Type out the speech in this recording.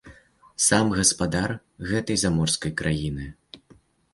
Сам гаспадар гэтай заморскай краіны.